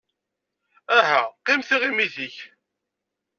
Aha, qqim tiɣimit-ik!